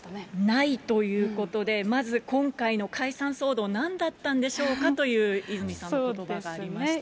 ないということで、まず今回の解散騒動、なんだったんでしょうかという泉さんのことばがありましたね。